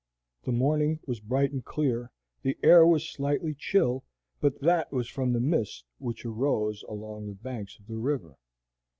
The morning was bright and clear; the air was slightly chill, but that was from the mist which arose along the banks of the river.